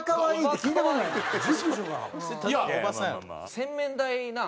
洗面台なあ。